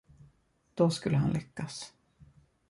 Då skulle han lyckas.